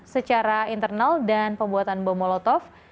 secara internal dan pembuatan bom molotov